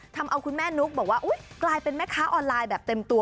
ทำเอาคุณแม่นุ๊กบอกว่ากลายเป็นแม่ค้าออนไลน์แบบเต็มตัว